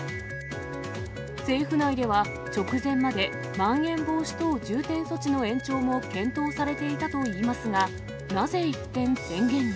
政府内では直前までまん延防止等重点措置の延長も検討されていたといいますが、なぜ一転、宣言に。